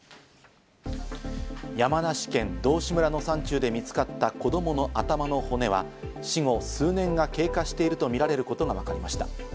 山梨県道志村の山中で見つかった子供の頭の骨は、死後数年が経過しているとみられることがわかりました。